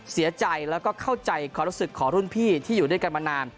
เสียใจแล้วก็เข้าใจความรู้สึกของรุ่นพี่ที่อยู่ด้วยกันมานาน